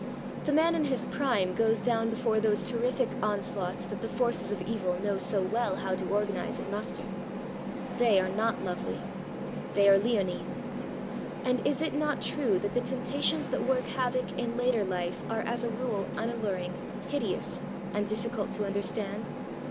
The man in his prime goes down before those terrific onslaughts that the forces of evil know so well how to organize and muster. They are not lovely; they are leonine. And is it not true that the temptations that work havoc in later life are as a rule unalluring, hideous, and difficult to understand?